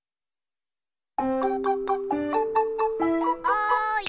おい！